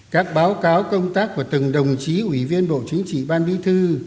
các báo cáo công tác của từng đồng chí ủy viên bộ chính trị ban bí thư